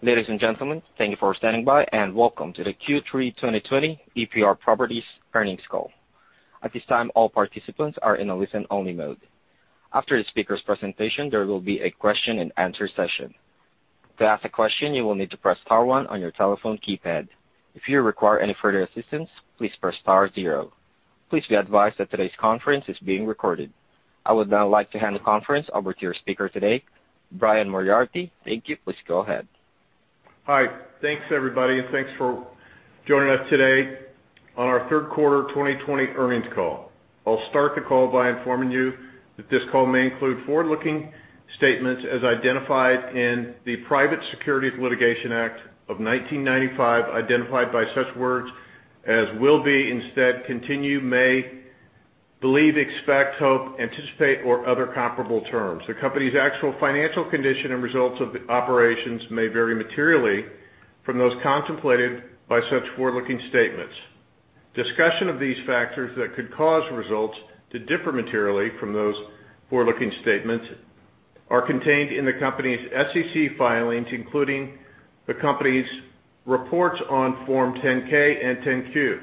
Ladies and gentlemen, thank you for standing by, and welcome to the Q3 2020 EPR Properties earnings call. At this time, all participants are in a listen-only mode. After the speaker's presentation, there will be a question-and-answer session. To ask a question, you will need to press star one on your telephone keypad. If you require any further assistance, please press star zero. Please be advised that today's conference is being recorded. I would now like to hand the conference over to your speaker today, Brian Moriarty. Thank you. Please go ahead. Hi. Thanks, everybody, and thanks for joining us today on our third quarter 2020 earnings call. I'll start the call by informing you that this call may include forward-looking statements as identified in the Private Securities Litigation Reform Act of 1995, identified by such words as will be, instead, continue, may, believe, expect, hope, anticipate, or other comparable terms. The company's actual financial condition and results of operations may vary materially from those contemplated by such forward-looking statements. Discussion of these factors that could cause results to differ materially from those forward-looking statements are contained in the company's SEC filings, including the company's reports on Form 10-K and 10-Q.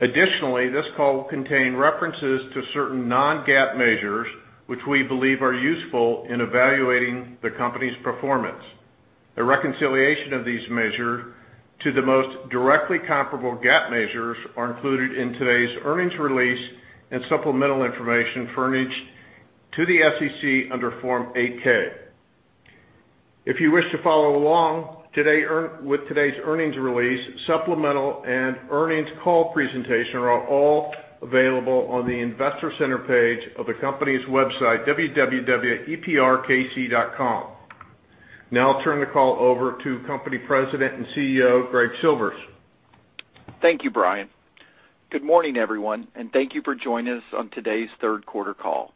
Additionally, this call will contain references to certain non-GAAP measures, which we believe are useful in evaluating the company's performance. A reconciliation of these measures to the most directly comparable GAAP measures are included in today's earnings release and supplemental information furnished to the SEC under Form 8-K. If you wish to follow along with today's earnings release, supplemental and earnings call presentation are all available on the investor center page of the company's website, www.eprkc.com. I'll turn the call over to Company President and CEO, Greg Silvers. Thank you, Brian. Good morning, everyone, and thank you for joining us on today's third-quarter call.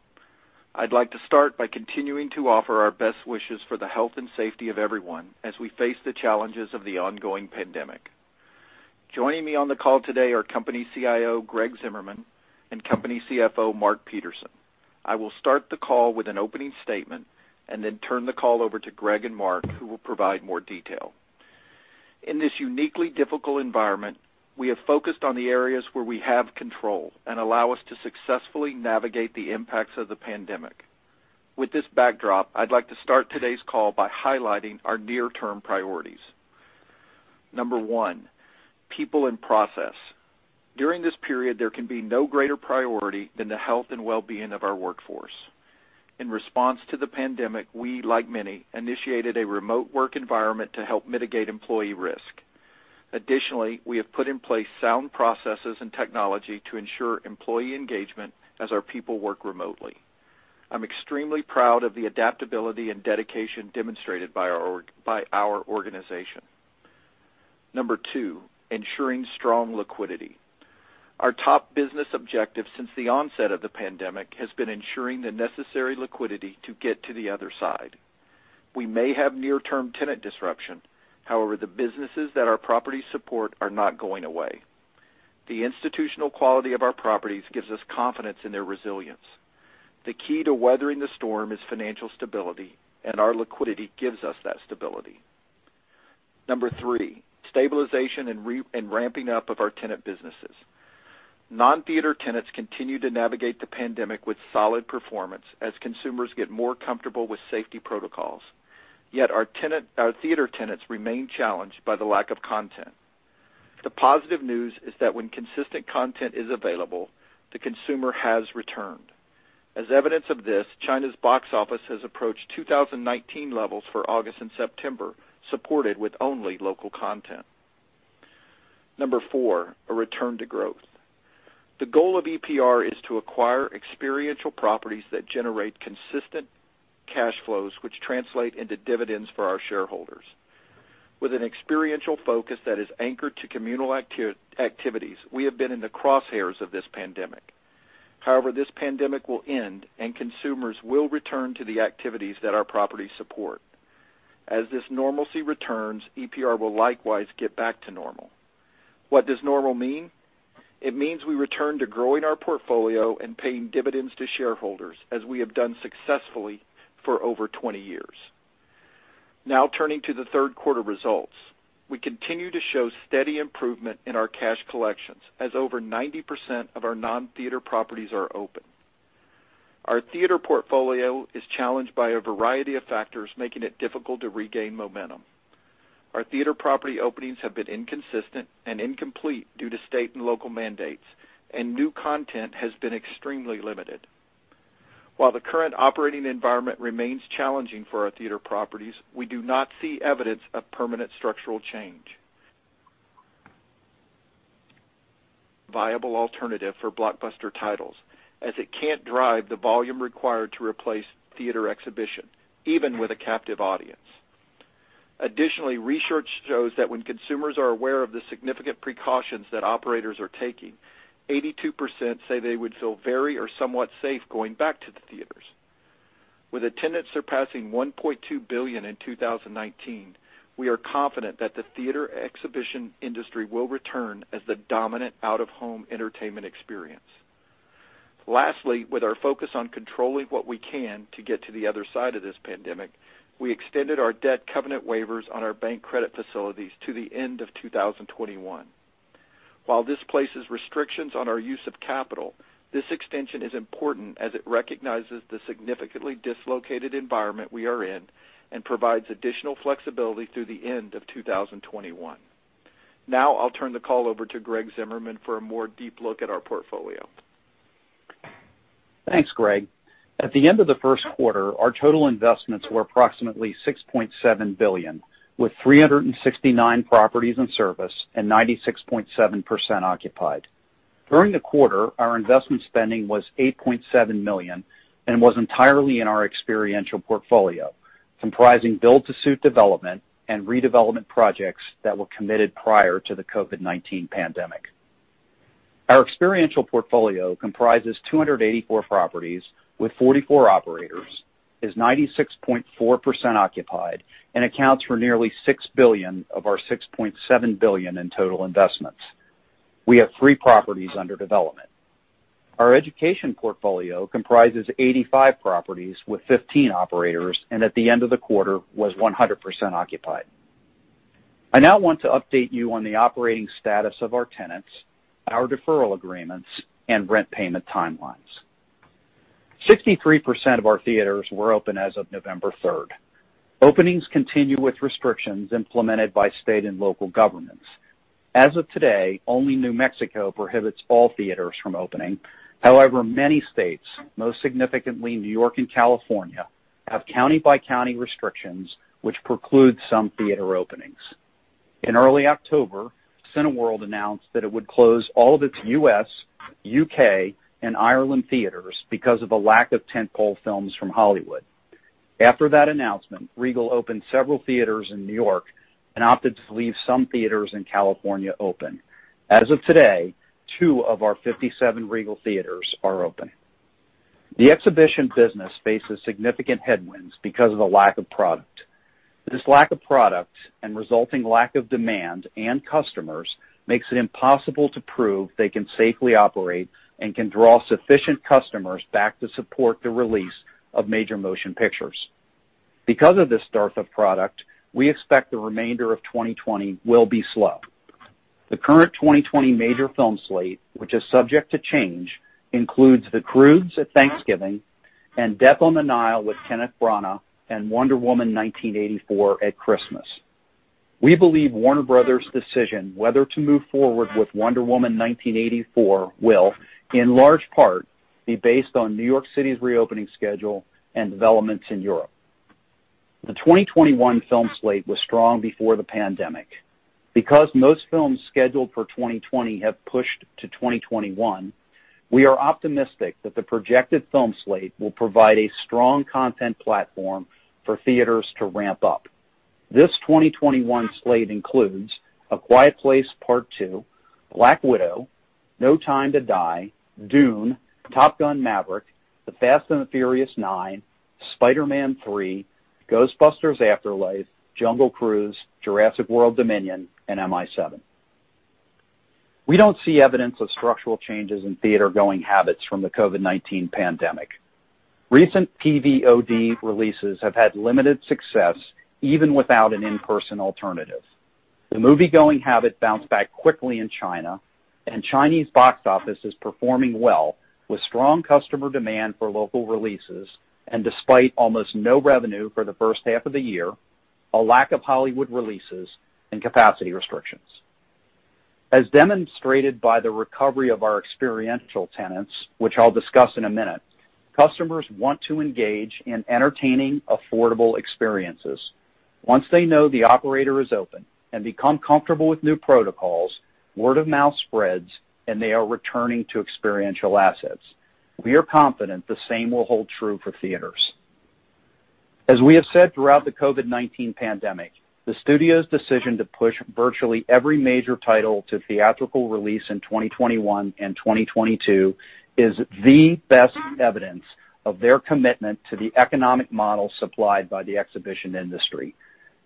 I'd like to start by continuing to offer our best wishes for the health and safety of everyone as we face the challenges of the ongoing pandemic. Joining me on the call today are company CIO Greg Zimmerman and company CFO Mark Peterson. I will start the call with an opening statement and then turn the call over to Greg and Mark, who will provide more detail. In this uniquely difficult environment, we have focused on the areas where we have control and that allow us to successfully navigate the impacts of the pandemic. With this backdrop, I'd like to start today's call by highlighting our near-term priorities. Number one, people and process. During this period, there can be no greater priority than the health and well-being of our workforce. In response to the pandemic, we, like many, initiated a remote work environment to help mitigate employee risk. Additionally, we have put in place sound processes and technology to ensure employee engagement as our people work remotely. I'm extremely proud of the adaptability and dedication demonstrated by our organization. Number two, ensuring strong liquidity. Our top business objective since the onset of the pandemic has been ensuring the necessary liquidity to get to the other side. We may have near-term tenant disruption; however, the businesses that our properties support are not going away. The institutional quality of our properties gives us confidence in their resilience. The key to weathering the storm is financial stability, and our liquidity gives us that stability. Number three, stabilization and ramping up of our tenant businesses. Non-theater tenants continue to navigate the pandemic with solid performance as consumers get more comfortable with safety protocols. Our theater tenants remain challenged by the lack of content. The positive news is that when consistent content is available, the consumer returns. As evidence of this, China's box office has approached 2019 levels for August and September, supported by only local content. Number four, a return to growth. The goal of EPR is to acquire experiential properties that generate consistent cash flows, which translate into dividends for our shareholders. With an experiential focus that is anchored to communal activities, we have been in the crosshairs of this pandemic. This pandemic will end, and consumers will return to the activities that our properties support. As this normalcy returns, EPR will likewise get back to normal. What does normal mean? It means we return to growing our portfolio and paying dividends to shareholders, as we have done successfully for over 20 years. Now, turning to the third quarter results. We continue to show steady improvement in our cash collections as over 90% of our non-theater properties are open. Our theater portfolio is challenged by a variety of factors, making it difficult to regain momentum. Our theater property openings have been inconsistent and incomplete due to state and local mandates, and new content has been extremely limited. While the current operating environment remains challenging for our theater properties, we do not see evidence of permanent structural change. Viable alternative for blockbuster titles, as it can't drive the volume required to replace theater exhibition, even with a captive audience. Additionally, research shows that when consumers are aware of the significant precautions that operators are taking, 82% say they would feel very or somewhat safe going back to the theaters. With attendance surpassing 1.2 billion in 2019, we are confident that the theater exhibition industry will return as the dominant out-of-home entertainment experience. Lastly, with our focus on controlling what we can to get to the other side of this pandemic, we extended our debt covenant waivers on our bank credit facilities to the end of 2021. While this places restrictions on our use of capital, this extension is important as it recognizes the significantly dislocated environment we are in and provides additional flexibility through the end of 2021. Now I'll turn the call over to Greg Zimmerman for a deeper look at our portfolio. Thanks, Greg. At the end of the first quarter, our total investments were approximately $6.7 billion, with 369 properties in service and 96.7% occupied. During the quarter, our investment spending was $8.7 million and was entirely in our Experiential portfolio, comprising build-to-suit development and redevelopment projects that were committed prior to the COVID-19 pandemic. Our Experiential portfolio comprises 284 properties with 44 operators, is 96.4% occupied, and accounts for nearly $6 billion of our $6.7 billion in total investments. We have three properties under development. Our Education portfolio comprises 85 properties with 15 operators, and at the end of the quarter was 100% occupied. I now want to update you on the operating status of our tenants, our deferral agreements, and rent payment timelines. 63% of our theaters were open as of November 3rd. Openings continue with restrictions implemented by state and local governments. As of today, only New Mexico prohibits all theaters from opening. However, many states, most significantly New York and California, have county-by-county restrictions that preclude some theater openings. In early October, Cineworld announced that it would close all of its U.S., U.K., and Ireland theaters because of a lack of tent-pole films from Hollywood. After that announcement, Regal opened several theaters in New York and opted to leave some theaters in California open. As of today, two of our 57 Regal theaters are open. The exhibition business faces significant headwinds because of a lack of product. This lack of product and resulting lack of demand and customers makes it impossible to prove they can safely operate and can draw sufficient customers back to support the release of major motion pictures. Because of this dearth of product, we expect the remainder of 2020 to be slow. The current 2020 major film slate, which is subject to change, includes The Croods at Thanksgiving and Death on the Nile with Kenneth Branagh and Wonder Woman 1984 at Christmas. We believe Warner Bros.' decision whether to move forward with Wonder Woman 1984 will, in large part, be based on New York City's reopening schedule and developments in Europe. The 2021 film slate was strong before the pandemic. Because most films scheduled for 2020 have been pushed to 2021, we are optimistic that the projected film slate will provide a strong content platform for theaters to ramp up. This 2021 slate includes A Quiet Place Part II, Black Widow, No Time to Die, Dune, Top Gun: Maverick, The Fast and the Furious 9, Spider-Man 3, Ghostbusters: Afterlife, Jungle Cruise, Jurassic World Dominion, and MI7. We don't see evidence of structural changes in theater-going habits from the COVID-19 pandemic. Recent PVOD releases have had limited success even without an in-person alternative. The movie-going habit bounced back quickly in China, and the Chinese box office is performing well with strong customer demand for local releases, despite almost no revenue for the first half of the year, a lack of Hollywood releases, and capacity restrictions. As demonstrated by the recovery of our experiential tenants, which I'll discuss in a minute, customers want to engage in entertaining, affordable experiences. Once they know the operator is open and become comfortable with new protocols, word of mouth spreads, and they return to experiential assets. We are confident the same will hold true for theaters. As we have said throughout the COVID-19 pandemic, the studio's decision to push virtually every major title to theatrical release in 2021 and 2022 is the best evidence of their commitment to the economic model supplied by the exhibition industry.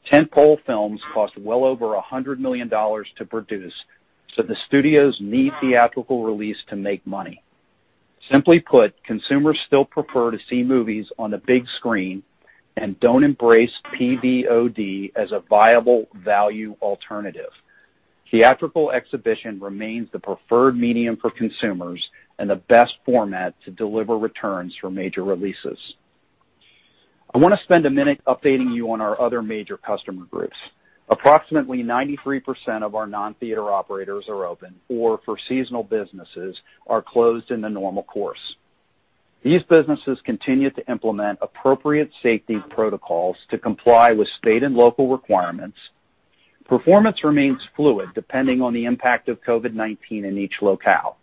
Tent-pole films cost well over $100 million to produce, so the studios need a theatrical release to make money. Simply put, consumers still prefer to see movies on the big screen and don't embrace PVOD as a viable value alternative. Theatrical exhibition remains the preferred medium for consumers and the best format to deliver returns for major releases. I want to spend a minute updating you on our other major customer groups. Approximately 93% of our non-theater operators are open or, for seasonal businesses, are closed in the normal course. These businesses continue to implement appropriate safety protocols to comply with state and local requirements. Performance remains fluid depending on the impact of COVID-19 in each locale.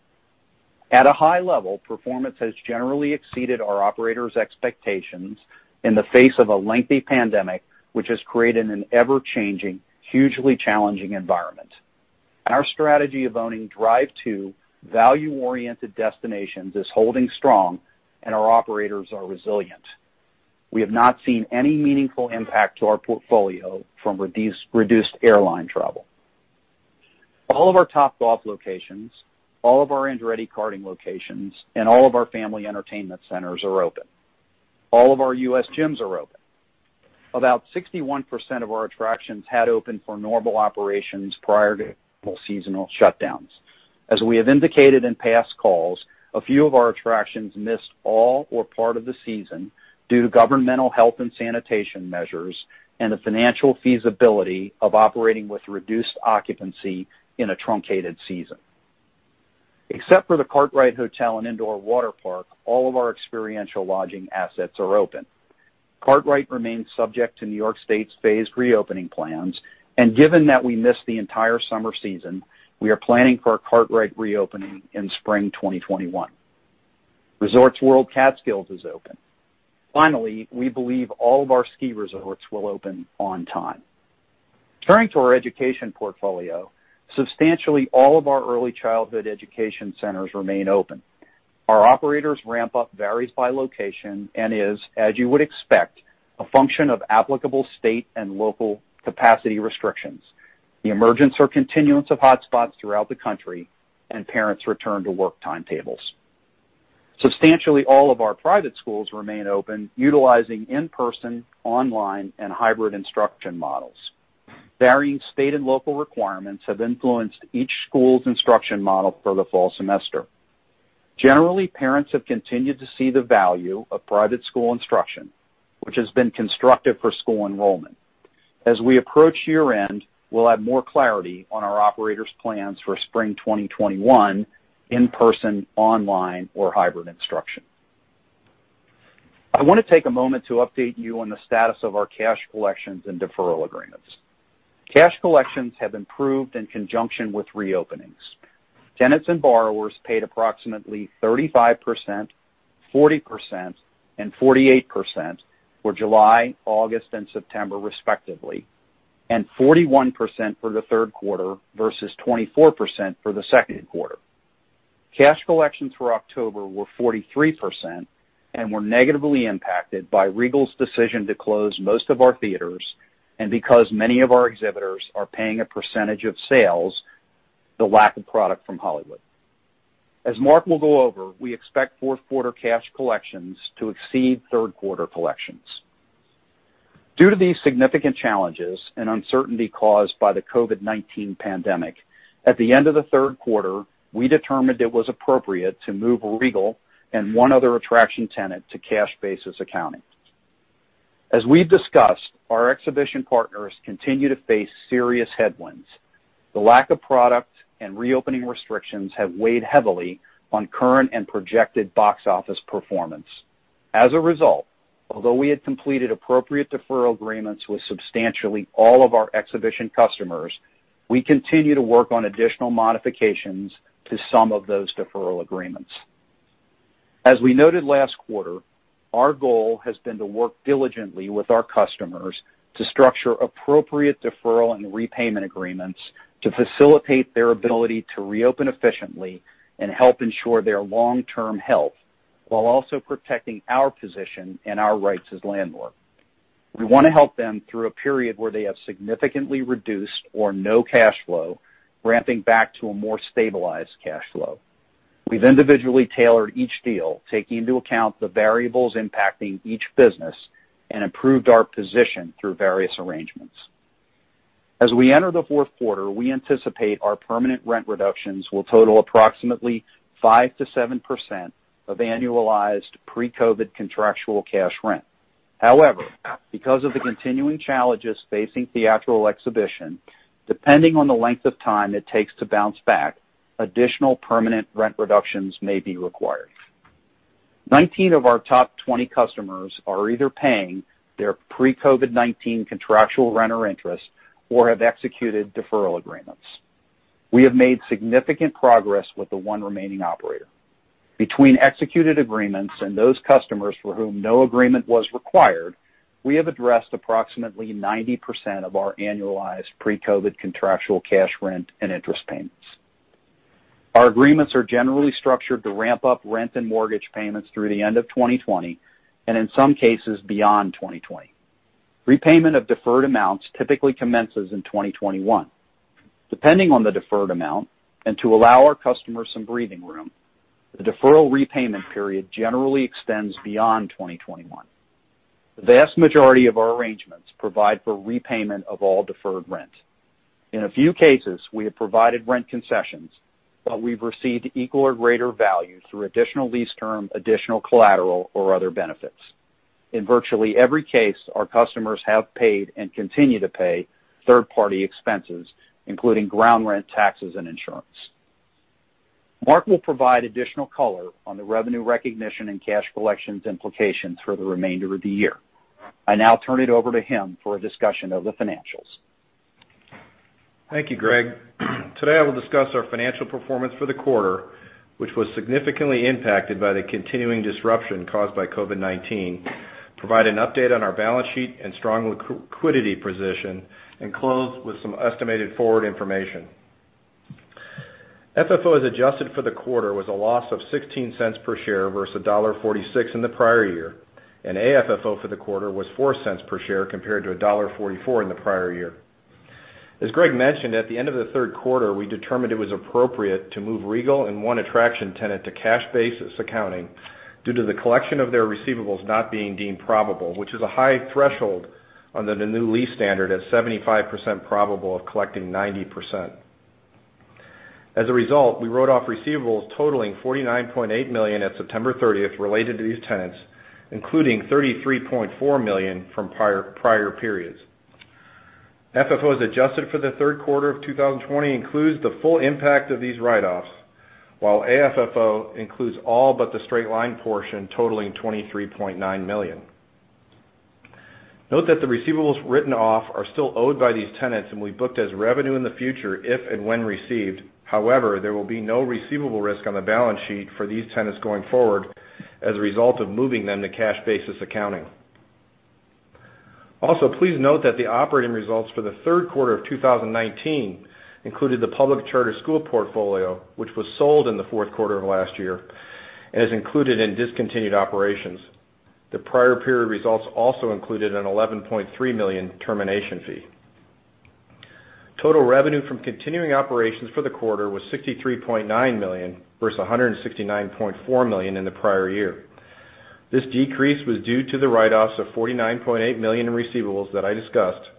At a high level, performance has generally exceeded our operators' expectations in the face of a lengthy pandemic, which has created an ever-changing, hugely challenging environment, and our strategy of owning drive-to, value-oriented destinations is holding strong, and our operators are resilient. We have not seen any meaningful impact on our portfolio from reduced airline travel. All of our Topgolf locations, all of our Andretti karting locations, and all of our family entertainment centers are open. All of our U.S. gyms are open. About 61% of our attractions had opened for normal operations prior to seasonal shutdowns. As we have indicated in past calls, a few of our attractions missed all or part of the season due to governmental health and sanitation measures and the financial feasibility of operating with reduced occupancy in a truncated season. Except for The Kartrite Resort & Indoor Waterpark, all of our experiential lodging assets are open. Kartrite remains subject to New York State's phased reopening plans, and given that we missed the entire summer season, we are planning for a Kartrite reopening in spring 2021. Resorts World Catskills is open. Finally, we believe all of our ski resorts will open on time. Turning to our education portfolio, substantially all of our early childhood education centers remain open. Our operators' ramp-up varies by location and is, as you would expect, a function of applicable state and local capacity restrictions, the emergence or continuance of hotspots throughout the country, and parents' return to work timetables. Substantially all of our private schools remain open, utilizing in-person, online, and hybrid instruction models. Varying state and local requirements have influenced each school's instruction model for the fall semester. Generally, parents have continued to see the value of private school instruction, which has been constructive for school enrollment. As we approach year-end, we'll have more clarity on our operators' plans for spring 2021 in-person, online, or hybrid instruction. I want to take a moment to update you on the status of our cash collections and deferral agreements. Cash collections have improved in conjunction with reopenings. Tenants and borrowers paid approximately 35%, 40%, and 48% for July, August, and September, respectively, and 41% for the third quarter versus 24% for the second quarter. Cash collections for October were 43% and were negatively impacted by Regal's decision to close most of our theaters, and because many of our exhibitors are paying a percentage of sales, the lack of product from Hollywood. As Mark will go over, we expect fourth-quarter cash collections to exceed third-quarter collections. Due to these significant challenges and uncertainty caused by the COVID-19 pandemic, at the end of the third quarter, we determined it was appropriate to move Regal and one other attraction tenant to cash basis accounting. As we've discussed, our exhibition partners continue to face serious headwinds. The lack of product and reopening restrictions has weighed heavily on current and projected box office performance. As a result, although we had completed appropriate deferral agreements with substantially all of our exhibition customers, we continue to work on additional modifications to some of those deferral agreements. As we noted last quarter, our goal has been to work diligently with our customers to structure appropriate deferral and repayment agreements to facilitate their ability to reopen efficiently and help ensure their long-term health while also protecting our position and our rights as landlord. We want to help them through a period where they have significantly reduced or no cash flow, ramping back to a more stable cash flow. We've individually tailored each deal, taking into account the variables impacting each business, and improved our position through various arrangements. As we enter the fourth quarter, we anticipate our permanent rent reductions will total approximately 5%-7% of annualized pre-COVID contractual cash rent. However, because of the continuing challenges facing theatrical exhibition, depending on the length of time it takes to bounce back, additional permanent rent reductions may be required. 19 of our top 20 customers are either paying their pre-COVID-19 contractual rent or interest or have executed deferral agreements. We have made significant progress with the one remaining operator. Between executed agreements and those customers for whom no agreement was required, we have addressed approximately 90% of our annualized pre-COVID contractual cash rent and interest payments. Our agreements are generally structured to ramp up rent and mortgage payments through the end of 2020, and in some cases, beyond 2020. Repayment of deferred amounts typically commences in 2021. Depending on the deferred amount and to allow our customers some breathing room, the deferral repayment period generally extends beyond 2021. The vast majority of our arrangements provide for repayment of all deferred rent. In a few cases, we have provided rent concessions, but we've received equal or greater value through additional lease terms, additional collateral, or other benefits. In virtually every case, our customers have paid and continue to pay third-party expenses, including ground rent, taxes, and insurance. Mark will provide additional color on the revenue recognition and cash collections implications for the remainder of the year. I now turn it over to him for a discussion of the financials. Thank you, Greg. Today, I will discuss our financial performance for the quarter, which was significantly impacted by the continuing disruption caused by COVID-19, provide an update on our balance sheet and strong liquidity position, and close with some estimated forward information. FFO as adjusted for the quarter was a loss of $0.16 per share versus $1.46 in the prior year, and AFFO for the quarter was $0.04 per share compared to $1.44 in the prior year. As Greg mentioned, at the end of the third quarter, we determined it was appropriate to move Regal and one attraction tenant to cash basis accounting due to the collection of their receivables not being deemed probable, which is a high threshold under the new lease standard at 75% probable of collecting 90%. As a result, we wrote off receivables totaling $49.8 million at September 30th related to these tenants, including $33.4 million from prior periods. FFO as adjusted for the third quarter of 2020 includes the full impact of these write-offs, while AFFO includes all but the straight-line portion totaling $23.9 million. Note that the receivables written off are still owed by these tenants and will be booked as revenue in the future if and when received. However, there will be no receivable risk on the balance sheet for these tenants going forward as a result of moving them to cash basis accounting. Also, please note that the operating results for the third quarter of 2019 included the public charter school portfolio, which was sold in the fourth quarter of last year and is included in discontinued operations. The prior period results also included an $11.3 million termination fee. Total revenue from continuing operations for the quarter was $63.9 million, versus $169.4 million in the prior year. This decrease was due to the write-offs of $49.8 million in receivables that I discussed,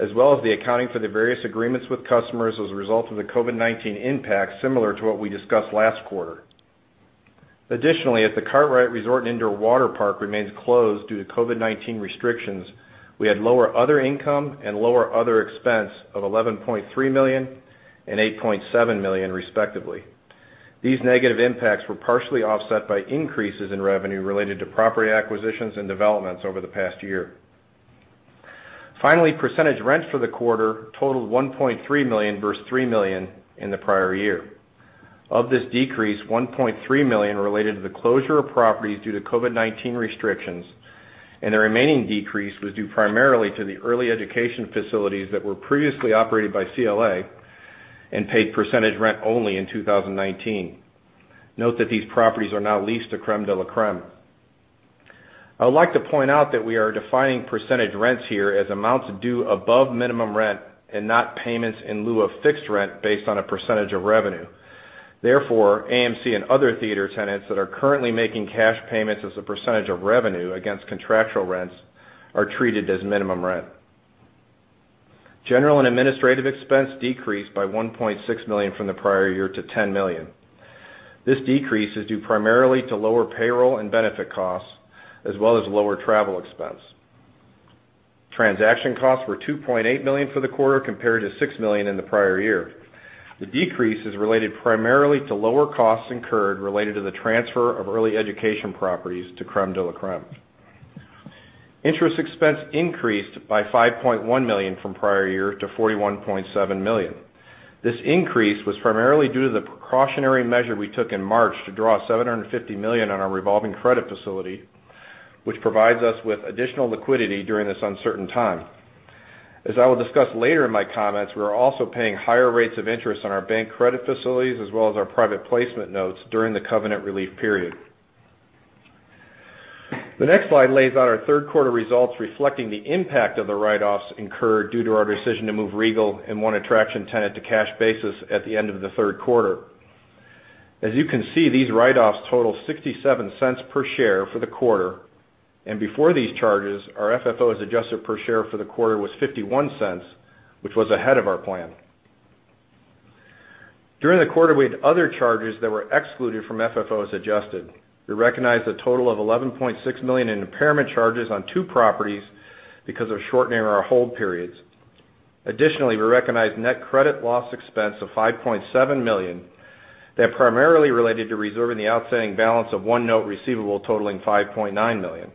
as well as the accounting for the various agreements with customers as a result of the COVID-19 impact, similar to what we discussed last quarter. Additionally, as The Kartrite Resort & Indoor Waterpark remains closed due to COVID-19 restrictions, we had lower other income and lower other expenses of $11.3 million and $8.7 million, respectively. These negative impacts were partially offset by increases in revenue related to property acquisitions and developments over the past year. Finally, percentage rents for the quarter totaled $1.3 million versus $3 million in the prior year. Of this decrease, $1.3 million related to the closure of properties due to COVID-19 restrictions, and the remaining decrease was due primarily to the early education facilities that were previously operated by CLA and paid percentage rent only in 2019. Note that these properties are now leased to Crème de la Crème. I would like to point out that we are defining percentage rents here as amounts due above minimum rent and not payments in lieu of fixed rent based on a percentage of revenue. Therefore, AMC and other theater tenants that are currently making cash payments as a percentage of revenue against contractual rents are treated as minimum rent. General and administrative expense decreased by $1.6 million from the prior year to $10 million. This decrease is due primarily to lower payroll and benefit costs, as well as lower travel expenses. Transaction costs were $2.8 million for the quarter compared to $6 million in the prior year. The decrease is related primarily to lower costs incurred related to the transfer of early education properties to Crème de la Crème. Interest expense increased by $5.1 million from the prior year to $41.7 million. This increase was primarily due to the precautionary measure we took in March to draw $750 million on our revolving credit facility, which provides us with additional liquidity during this uncertain time. As I will discuss later in my comments, we are also paying higher rates of interest on our bank credit facilities as well as our private placement notes during the covenant relief period. The next slide lays out our third quarter results reflecting the impact of the write-offs incurred due to our decision to move Regal and one attraction tenant to cash basis at the end of the third quarter. As you can see, these write-offs total $0.67 per share for the quarter. Before these charges, our FFO as adjusted per share for the quarter was $0.51, which was ahead of our plan. During the quarter, we had other charges that were excluded from FFO as adjusted. We recognized a total of $11.6 million in impairment charges on two properties because of shortening our hold periods. Additionally, we recognized a net credit loss expense of $5.7 million that primarily related to reserving the outstanding balance of one note receivable totaling $5.9 million.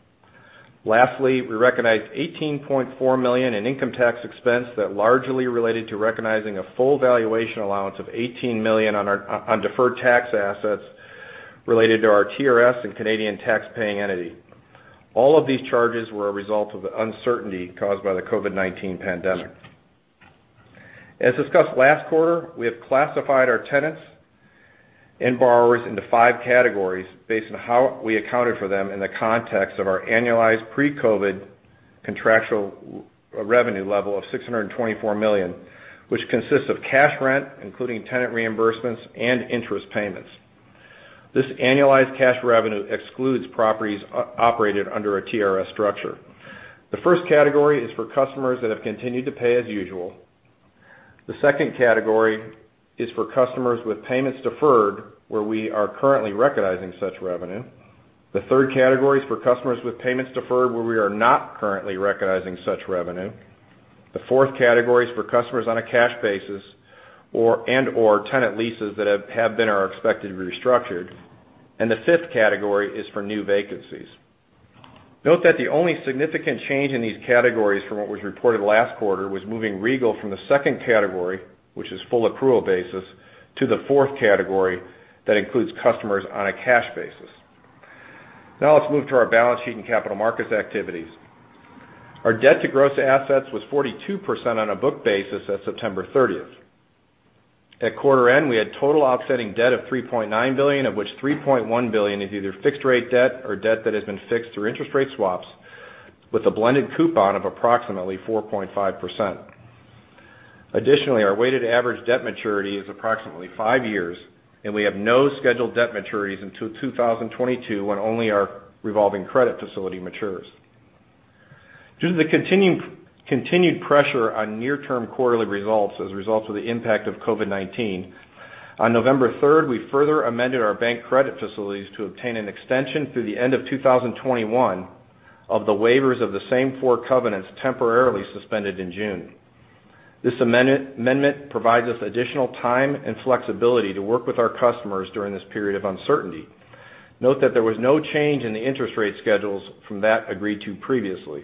Lastly, we recognized $18.4 million in income tax expense that was largely related to recognizing a full valuation allowance of $18 million on deferred tax assets related to our TRS and Canadian taxpaying entity. All of these charges were a result of the uncertainty caused by the COVID-19 pandemic. As discussed last quarter, we have classified our tenants and borrowers into five categories based on how we accounted for them in the context of our annualized pre-COVID contractual revenue level of $624 million, which consists of cash rent, including tenant reimbursements and interest payments. This annualized cash revenue excludes properties operated under a TRS structure. The first category is for customers who have continued to pay as usual. The second category is for customers with payments deferred, where we are currently recognizing such revenue. The third category is for customers with payments deferred, where we are not currently recognizing such revenue. The fourth category is for customers on a cash basis and/or tenant leases that have been or are expected to be restructured. The fifth category is for new vacancies. Note that the only significant change in these categories from what was reported last quarter was moving Regal from the second category, which is a full accrual basis, to the fourth category, which includes customers on a cash basis. Let's move to our balance sheet and capital markets activities. Our debt to gross assets was 42% on a book basis at September 30th. At quarter-end, we had total offsetting debt of $3.9 billion, of which $3.1 billion is either fixed-rate debt or debt that has been fixed through interest rate swaps with a blended coupon of approximately 4.5%. Additionally, our weighted average debt maturity is approximately five years, and we have no scheduled debt maturities until 2022, when only our revolving credit facility matures. Due to the continued pressure on near-term quarterly results as a result of the impact of COVID-19, on November 3rd, we further amended our bank credit facilities to obtain an extension through the end of 2021 of the waivers of the same four covenants temporarily suspended in June. This amendment provides us with additional time and flexibility to work with our customers during this period of uncertainty. Note that there was no change in the interest rate schedules from those agreed to previously.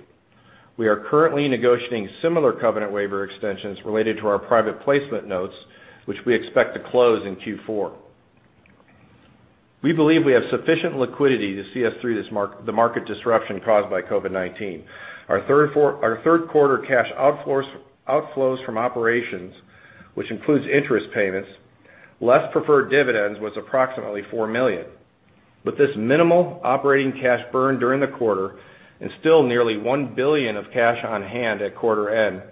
We are currently negotiating similar covenant waiver extensions related to our private placement notes, which we expect to close in Q4. We believe we have sufficient liquidity to see us through the market disruption caused by COVID-19. Our third-quarter cash outflows from operations, which include interest payments and less preferred dividends, were approximately $4 million. With this minimal operating cash burn during the quarter and still nearly $1 billion of cash on hand at quarter-end,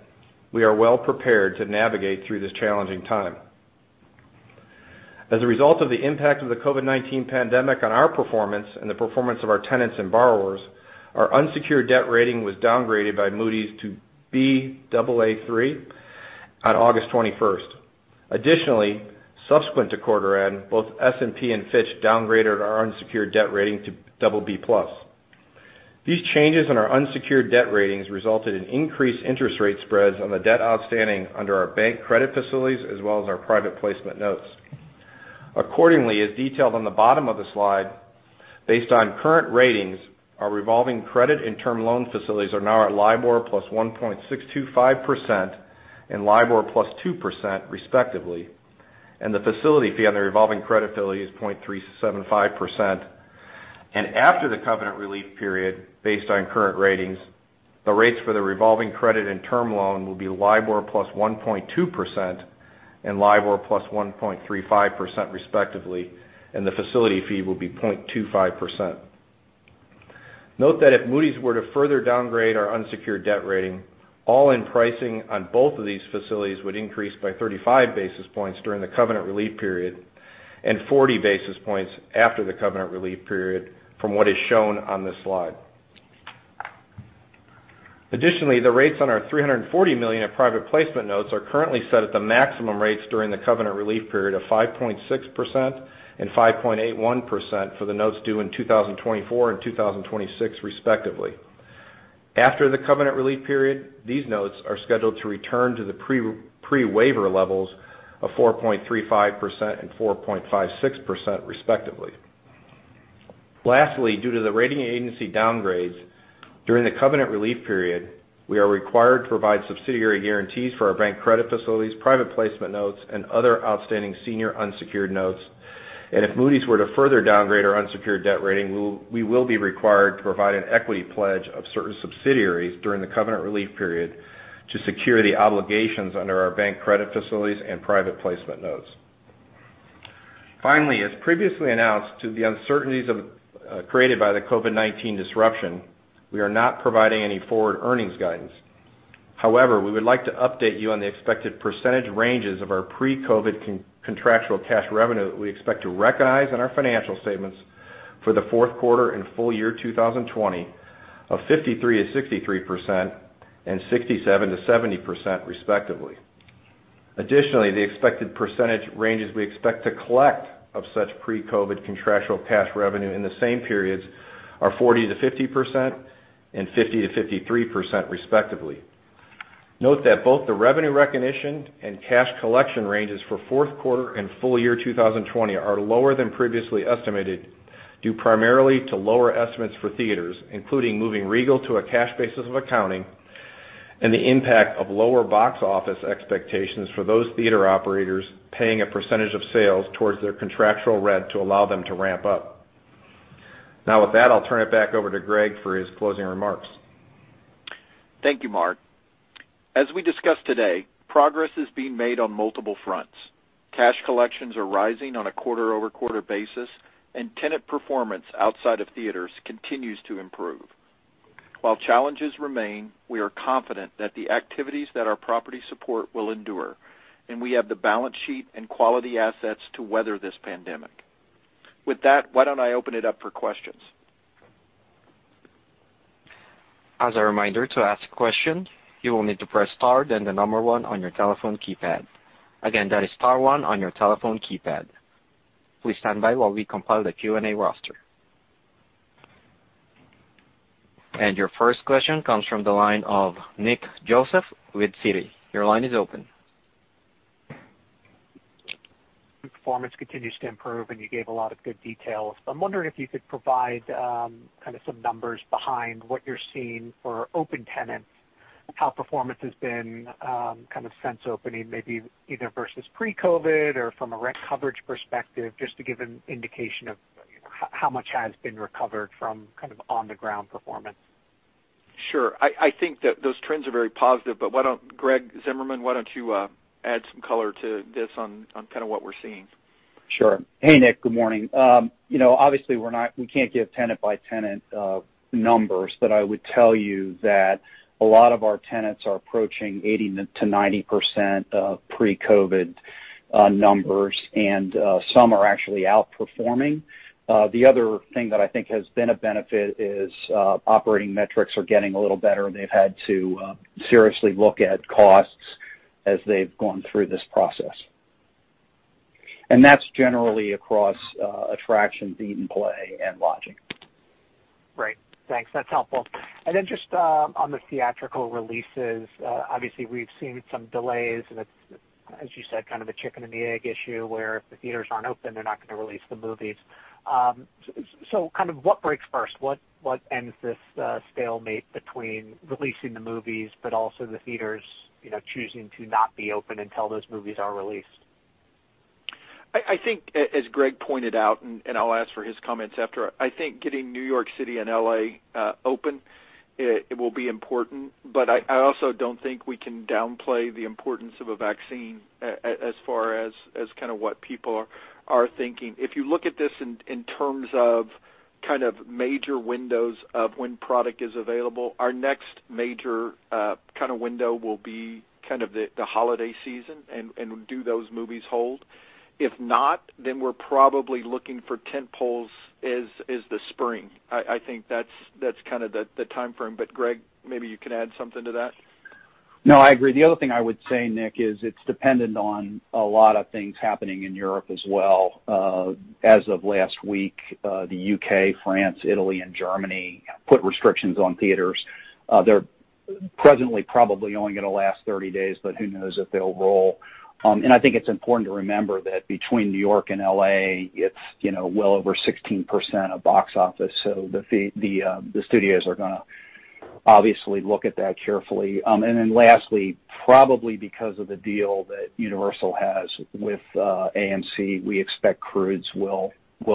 we are well prepared to navigate through this challenging time. As a result of the impact of the COVID-19 pandemic on our performance and the performance of our tenants and borrowers, our unsecured debt rating was downgraded by Moody's to Baa3 on August 21st. Additionally, subsequent to quarter-end, both S&P and Fitch downgraded our unsecured debt rating to BB+. These changes in our unsecured debt ratings resulted in increased interest rate spreads on the debt outstanding under our bank credit facilities as well as our private placement notes. As detailed on the bottom of the slide, based on current ratings, our revolving credit and term loan facilities are now at LIBOR plus 1.625% and LIBOR plus 2%, respectively, and the facility fee on the revolving credit facility is 0.375%. After the covenant relief period, based on current ratings, the rates for the revolving credit and term loan will be LIBOR plus 1.2% and LIBOR plus 1.35%, respectively, and the facility fee will be 0.25%. Note that if Moody's were to further downgrade our unsecured debt rating, all-in pricing on both of these facilities would increase by 35 basis points during the covenant relief period and 40 basis points after the covenant relief period from what is shown on this slide. The rates on our $340 million of private placement notes are currently set at the maximum rates during the covenant relief period of 5.6% and 5.81% for the notes due in 2024 and 2026, respectively. After the covenant relief period, these notes are scheduled to return to the pre-waiver levels of 4.35% and 4.56%, respectively. Due to the rating agency downgrades, during the covenant relief period, we are required to provide subsidiary guarantees for our bank credit facilities, private placement notes, and other outstanding senior unsecured notes. If Moody's were to further downgrade our unsecured debt rating, we would be required to provide an equity pledge of certain subsidiaries during the covenant relief period to secure the obligations under our bank credit facilities and private placement notes. As previously announced, due to the uncertainties created by the COVID-19 disruption, we are not providing any forward earnings guidance. However, we would like to update you on the expected percentage ranges of our pre-COVID contractual cash revenue that we expect to recognize in our financial statements for the fourth quarter and full year 2020 of 53%-63% and 67%-70%, respectively. Additionally, the expected percentage ranges we expect to collect of such pre-COVID contractual cash revenue in the same periods are 40%-50% and 50%-53%, respectively. Note that both the revenue recognition and cash collection ranges for the fourth quarter and full year 2020 are lower than previously estimated, due primarily to lower estimates for theaters, including moving Regal to a cash basis of accounting and the impact of lower box office expectations for those theater operators paying a % of sales towards their contractual rent to allow them to ramp up. With that, I'll turn it back over to Greg for his closing remarks. Thank you, Mark. As we discussed today, progress is being made on multiple fronts. Cash collections are rising on a quarter-over-quarter basis, and tenant performance outside of theaters continues to improve. While challenges remain, we are confident that the activities that our properties support will endure, and we have the balance sheet and quality assets to weather this pandemic. With that, why don't I open it up for questions? As a reminder, to ask a question, you will need to press star, then the number one on your telephone keypad. Again, that is star one on your telephone keypad. Please stand by while we compile the Q&A roster. Your first question comes from the line of Nick Joseph with Citi. Your line is open. Your performance continues to improve. You gave a lot of good details. I'm wondering if you could provide some numbers behind what you're seeing for open tenants. How performance has been kind of since opening, maybe either versus pre-COVID or from a rent coverage perspective, just to give an indication of how much has been recovered from kind of on-the-ground performance. Sure. I think that those trends are very positive, but why don't you, Greg Zimmerman, add some color to this on kind of what we're seeing? Sure. Hey, Nick. Good morning. Obviously, we can't give tenant-by-tenant numbers. I would tell you that a lot of our tenants are approaching 80%-90% of pre-COVID numbers, and some are actually outperforming. The other thing that I think has been a benefit is that operating metrics are getting a little better. They've had to seriously look at costs as they've gone through this process. That's generally across attractions, eat and play, and lodging. Great. Thanks. That's helpful. Just on the theatrical releases, obviously, we've seen some delays. It's, as you said, kind of a chicken-and-egg issue where if the theaters aren't open, they're not going to release the movies. Kind of what breaks first? What ends this stalemate between releasing the movies, but also the theaters choosing not to be open until those movies are released? I think, as Greg pointed out, and I'll ask for his comments after. I think getting New York City and L.A. open, it will be important, but I also don't think we can downplay the importance of a vaccine as far as kind of what people are thinking. If you look at this in terms of kind of major windows of when the product is available, our next major kind of window will be kind of the holiday season, and do those movies hold? If not, then we're probably looking for tentpoles in the spring. I think that's kind of the timeframe. Greg, maybe you can add something to that. No, I agree. The other thing I would say, Nick, is that it's dependent on a lot of things happening in Europe as well. As of last week, the U.K., France, Italy, and Germany put restrictions on theaters. They're presently probably only going to last 30 days, but who knows if they'll roll. I think it's important to remember that between New York and L.A., it's well over 16% of the box office. Lastly, probably because of the deal that Universal has with AMC, we expect The Croods will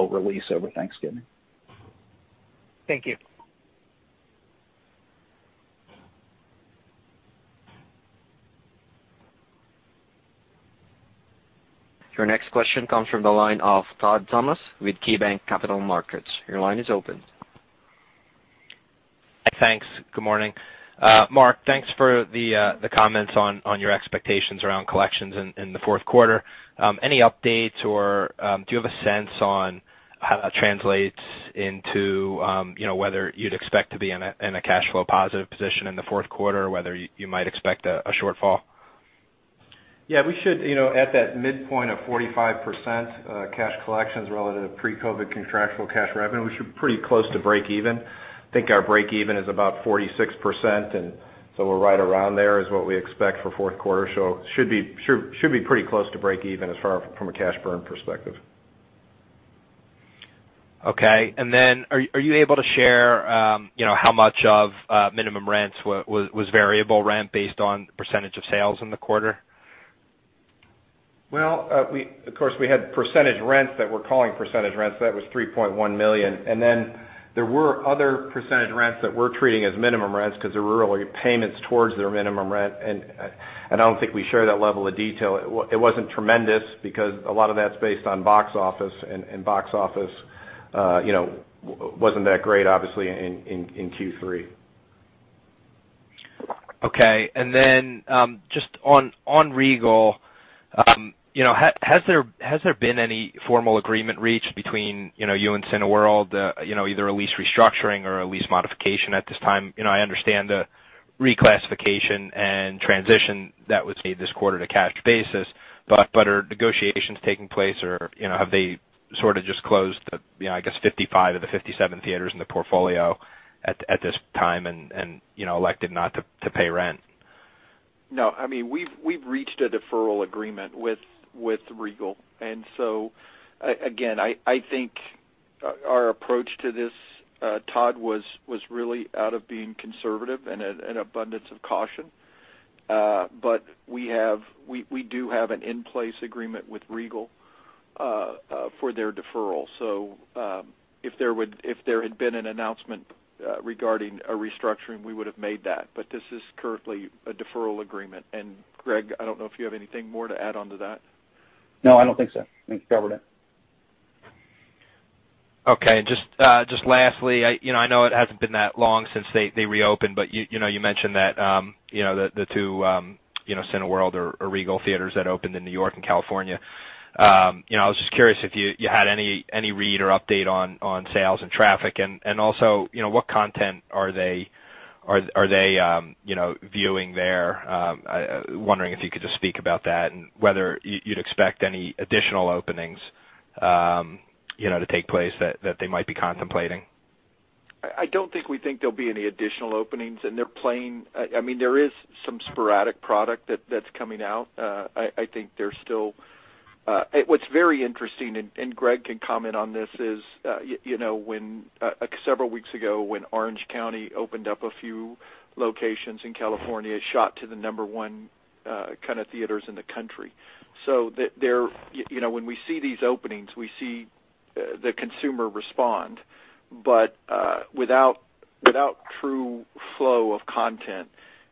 release over Thanksgiving. Thank you. Your next question comes from the line of Todd Thomas with KeyBanc Capital Markets. Your line is open. Thanks. Good morning. Mark, thanks for the comments on your expectations around collections in the fourth quarter. Any updates, or do you have a sense of how that translates into whether you'd expect to be in a cash flow positive position in the fourth quarter or whether you might expect a shortfall? Yeah, we should, at that midpoint of 45% cash collections relative to pre-COVID contractual cash revenue, we should be pretty close to break-even. I think our break-even is about 46%. We're right around there is what we expect for the fourth quarter. Should be pretty close to break-even as far as a cash burn perspective. Okay. Then, are you able to share how much of the minimum rent was variable rent based on the percentage of sales in the quarter? Well, of course, we had percentage rents that we're calling percentage rents. That was $3.1 million. There were other percentage rents that we're treating as minimum rents because there were early payments towards their minimum rent, and I don't think we share that level of detail. It wasn't tremendous because a lot of that's based on box office, and box office wasn't that great, obviously, in Q3. Okay. Then just on Regal. Has there been any formal agreement reached between you and Cineworld, either a lease restructuring or a lease modification, at this time? I understand the reclassification and transition that was made this quarter to cash basis. Are negotiations taking place, or have they sort of just closed, I guess, 55 of the 57 theaters in the portfolio at this time and elected not to pay rent? No. We've reached a deferral agreement with Regal. Again, I think our approach to this, Todd, was really out of being conservative and an abundance of caution. We do have an in-place agreement with Regal for their deferral. If there had been an announcement regarding a restructuring, we would have made that. This is currently a deferral agreement. Greg, I don't know if you have anything more to add to that. No, I don't think so. I think you covered it. Okay. Just lastly, I know it hasn't been that long since they reopened, but you mentioned that the two Cineworld or Regal theaters that opened in New York and California. I was just curious if you had any read or update on sales and traffic, and also, what content are they viewing there, wondering if you could just speak about that and whether you'd expect any additional openings to take place that they might be contemplating? I don't think we think there'll be any additional openings. There is some sporadic product that's coming out. What's very interesting, and Greg can comment on this, is several weeks ago, when Orange County opened up a few locations in California, it shot to the number one theaters in the country. When we see these openings, we see the consumer respond. Without true flow of content,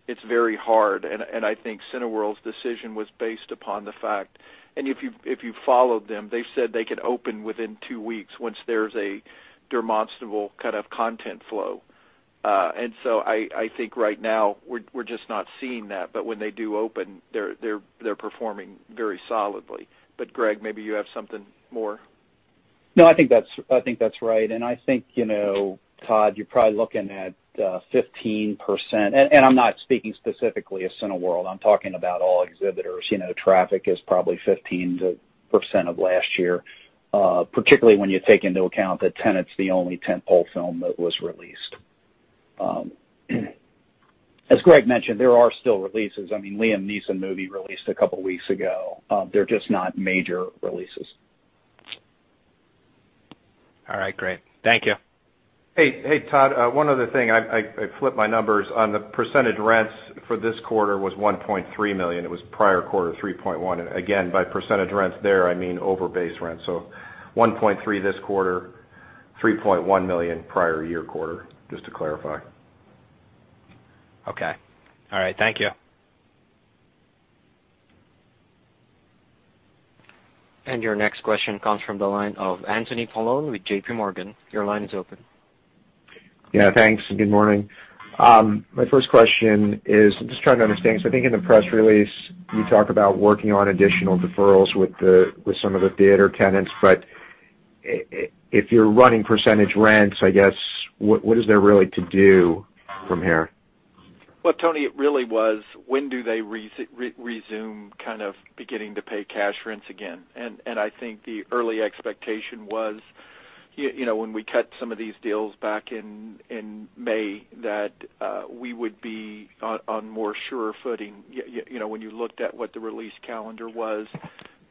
it's very hard. I think Cineworld's decision was based upon the fact if you followed them, they said they could open within two weeks once there's a demonstrable kind of content flow. I think right now, we're just not seeing that, but when they do open, they're performing very solidly. Greg, maybe you have something more. No, I think that's right. I think, Todd, you're probably looking at 15%. I'm not speaking specifically of Cineworld; I'm talking about all exhibitors. Traffic is probably 15% of last year, particularly when you take into account that Tenet's the only tent-pole film that was released. As Greg mentioned, there are still releases. A Liam Neeson movie was released a couple of weeks ago. They're just not major releases. All right, great. Thank you. Hey, Todd. One other thing. I flipped my numbers. The percentage rent for this quarter was $1.3 million. It was the prior quarter, $3.1 million. Again, by percentage rents there, I mean over base rent. $1.3 million this quarter, $3.1 million prior year quarter, just to clarify. Okay. All right. Thank you. Your next question comes from the line of Anthony Paolone with JPMorgan. Your line is open. Thanks. Good morning. My first question is just trying to understand, because I think in the press release, you talk about working on additional deferrals with some of the theater tenants, but if you're running percentage rents, I guess, what is there really to do from here? Well, Tony, it really was. When do they resume, kind of, beginning to pay cash rents again? I think the early expectation was, when we cut some of these deals back in May, that we would be on surer footing. When you looked at what the release calendar was,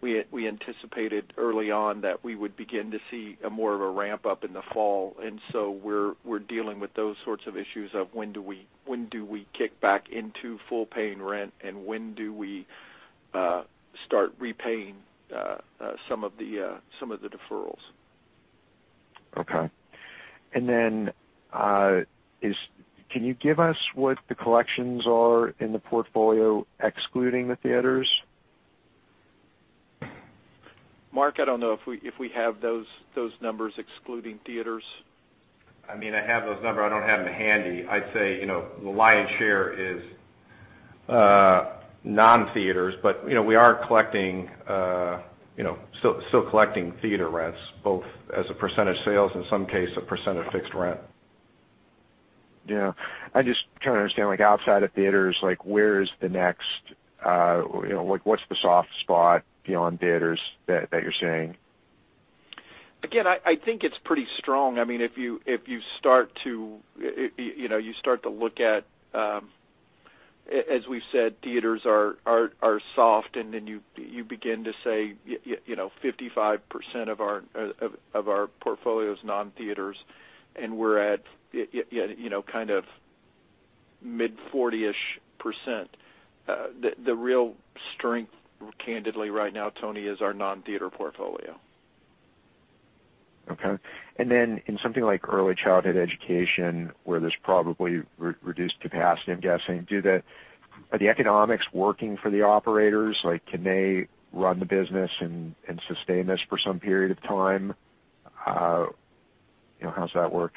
we anticipated early on that we would begin to see more of a ramp-up in the fall. We're dealing with those sorts of issues of when we kick back into full paying rent, and when we start repaying some of the deferrals. Okay. Can you give us what the collections are in the portfolio, excluding the theaters? Mark, I don't know if we have those numbers excluding theaters. I have those numbers. I don't have them handy. I'd say the lion's share is non-theaters. We are still collecting theater rents, both as a percentage of sales, in some cases, a percent of fixed rent. Yeah. I'm just trying to understand, outside of theaters, what's the soft spot beyond theaters that you're seeing? Again, I think it's pretty strong. If you start to look at it, as we've said, theaters are soft, and then you begin to say, 55% of our portfolio's non-theaters, and we're at kind of mid-40ish%. The real strength, candidly, right now, Tony, is our non-theater portfolio. Okay. Then in something like early childhood education, where there's probably reduced capacity, I'm guessing. Are the economics working for the operators? Can they run the business and sustain this for some period of time? How's that work?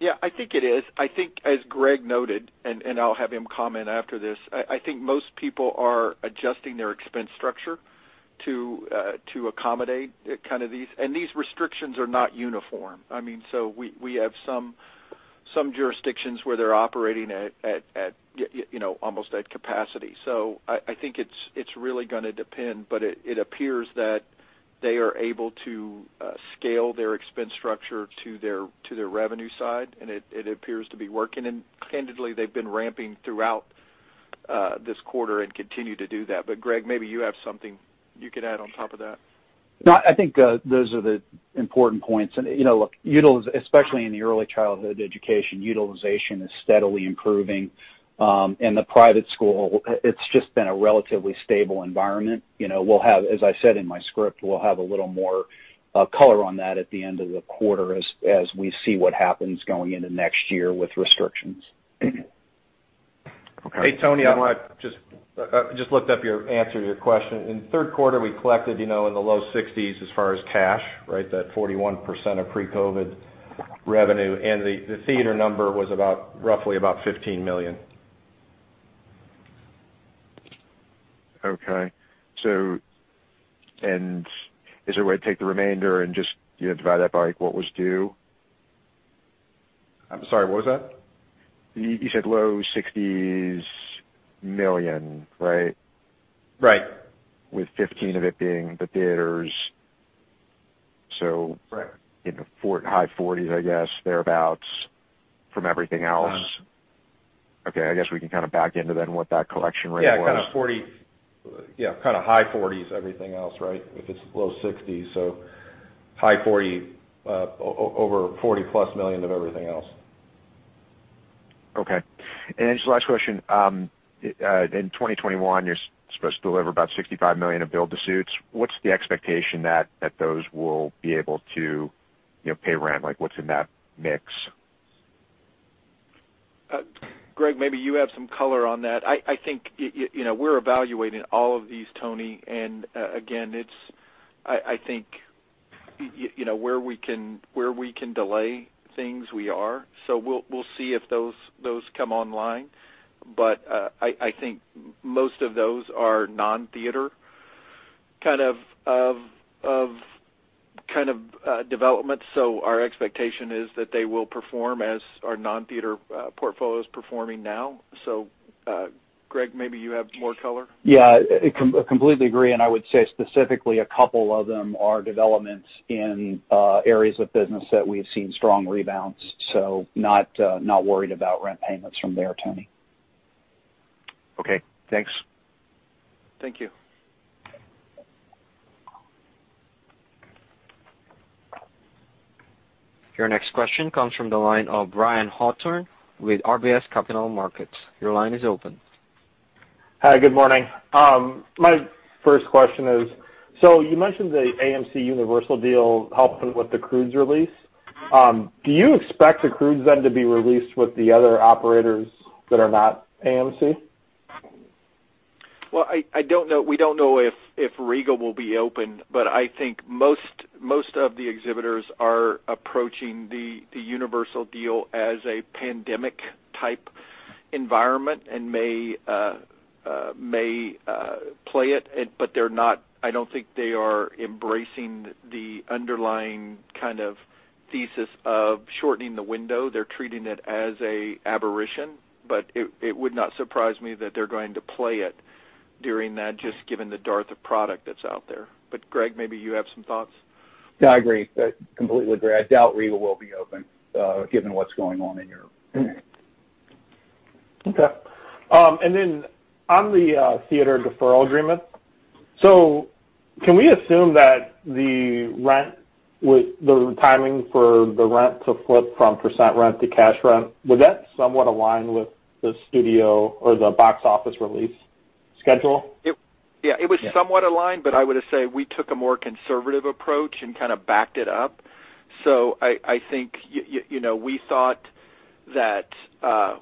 Yeah, I think it is. I think, as Greg noted, and I'll have him comment after this, I think most people are adjusting their expense structure to accommodate these kinds of things. These restrictions are not uniform. We have some jurisdictions where they're operating almost at capacity. I think it's really gonna depend, but it appears that they are able to scale their expense structure to their revenue side, and it appears to be working. Candidly, they've been ramping throughout this quarter and continue to do that. Greg, maybe you have something you could add on top of that. No, I think those are the important points. Look, especially in early childhood education, utilization is steadily improving. In the private school, it's just been a relatively stable environment. As I said in my script, we'll have a little more color on that at the end of the quarter as we see what happens going into next year with restrictions. Okay. Hey, Tony, I just looked up your answer to your question. In the third quarter, we collected in the low 60s as far as cash, that 41% of pre-COVID revenue. The theater number was roughly about $15 million. Okay. Is there a way to take the remainder and just divide that by what was due? I'm sorry, what was that? You said low $60s million, right? Right. With 15 of it being the theaters. Right In the high 40s, I guess, thereabouts, from everything else. Okay. I guess we can kind of back into what that collection rate was. Yeah, kind of high 40s, everything else, right? If it's low 60s, so high 40, over $40-plus million of everything else. Okay. Just one last question. In 2021, you're supposed to deliver about $65 million of build-to-suits. What's the expectation that those will be able to pay rent? What's in that mix? Greg, maybe you have some color on that. I think we're evaluating all of these, Tony. Again, I think where we can delay things, we are. We'll see if those come online. I think most of those are non-theater kind of developments. Our expectation is that they will perform as our non-theater portfolio is performing now. Greg, maybe you have more color. Yeah. I completely agree, and I would say specifically a couple of them are developments in areas of business that we've seen strong rebounds. Not worried about rent payments from there, Tony. Okay, thanks. Thank you. Your next question comes from the line of Brian Hawthorne with RBC Capital Markets. Your line is open. Hi, good morning. My first question is, you mentioned the AMC Universal deal helping with "The Croods" release. Do you expect "The Croods" to be released with the other operators that are not AMC? Well, we don't know if Regal will be open, but I think most of the exhibitors are approaching the Universal deal as a pandemic-type environment, and may play it, but I don't think they are embracing the underlying kind of thesis of shortening the window. They're treating it as an aberration. It would not surprise me that they're going to play it during that, just given the dearth of product that's out there. Greg, maybe you have some thoughts. No, I agree. I completely agree. I doubt Regal will be open, given what's going on in Europe. Okay. On the theater deferral agreement, can we assume that the timing for the rent to flip from percent rent to cash rent would somewhat align with the studio or the box office release schedule? It was somewhat aligned, but I would say we took a more conservative approach and kind of backed it up. I think we thought that